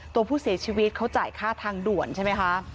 ตัวผู้เสียชีวิตเขาจ่ายค่าทางด่วนใช่ไหมคะ